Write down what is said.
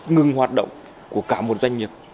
ngừng hoạt động của cả một doanh nghiệp